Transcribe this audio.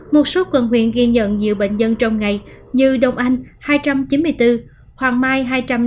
một số quần huyện ghi nhận nhiều bệnh nhân trong ngày như đông anh hai trăm chín mươi bốn hoàng mai hai trăm năm mươi